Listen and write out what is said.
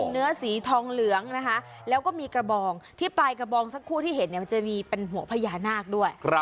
เนื้อสีทองเหลืองนะคะแล้วก็มีกระบองที่ปลายกระบองสักครู่ที่เห็นเนี่ยมันจะมีเป็นหัวพญานาคด้วย